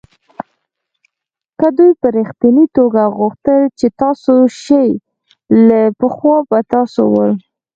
که دوی په ریښتني توگه غوښتل چې ستاسو شي له پخوا به ستاسو ول.